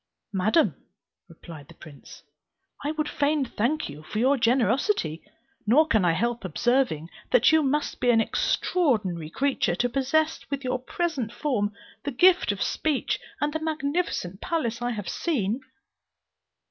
"Madam," replied the prince, "I would fain thank you for your generosity, nor can I help observing that you must be an extraordinary creature to possess with your present form the gift of speech and the magnificent palace I have seen."